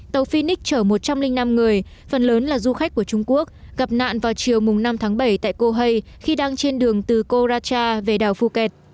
tàu phinix chở một trăm linh năm người phần lớn là du khách của trung quốc gặp nạn vào chiều năm tháng bảy tại cô hay khi đang trên đường từ koracha về đảo phuket